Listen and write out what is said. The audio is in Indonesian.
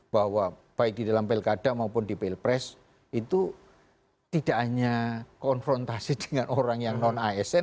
bahwa baik di dalam pilkada maupun di pilpres itu tidak hanya konfrontasi dengan orang yang non asn